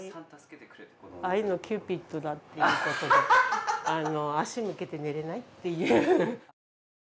愛のキューピッドだっていうことで足向けて寝れないっていう